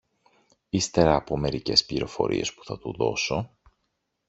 ύστερα από μερικές πληροφορίες που θα του δώσω